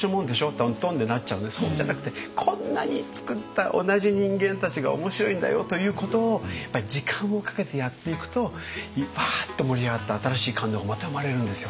とんとん」でなっちゃうんでそうじゃなくてこんなに作った同じ人間たちが面白いんだよということをやっぱり時間をかけてやっていくとわっと盛り上がって新しい感動がまた生まれるんですよね。